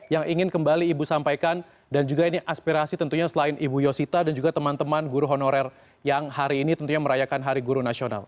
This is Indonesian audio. yang ingin kembali ibu sampaikan dan juga ini aspirasi tentunya selain ibu yosita dan juga teman teman guru honorer yang hari ini tentunya merayakan hari guru nasional